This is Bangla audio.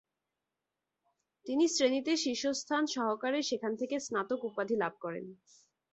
তিনি শ্রেণিতে শীর্ষস্থান সহকারে সেখান থেকে স্নাতক উপাধি লাভ করেন।